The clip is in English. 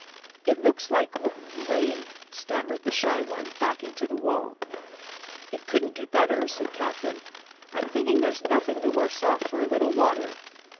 "It looks like r rain," stammered the shy one, backing to the wall. "It couldn't do better," said Katherine. "I'm thinking there's nothing the worse off for a little water."